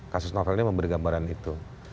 kasus novel ini memberi gambaran itu